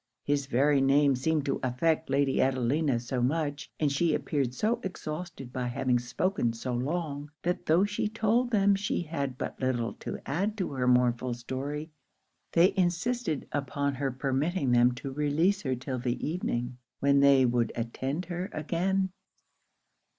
His very name seemed to affect Lady Adelina so much, and she appeared so exhausted by having spoken so long, that tho' she told them she had but little to add to her mournful story, they insisted upon her permitting them to release her till the evening, when they would attend her again.